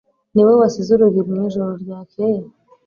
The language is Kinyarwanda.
Niwowe wasize urugi mwijoro ryakeye?